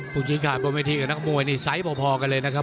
ผู้ชีพค้านบนวีทีกับนักมวยในไซส์พอกันเลยนะครับ